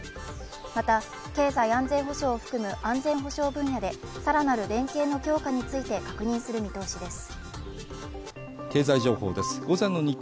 また、経済安全保障を含む安全保障分野で更なる連携の強化について確認する見通しです